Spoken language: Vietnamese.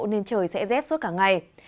nên trời sẽ rét suốt cả ngày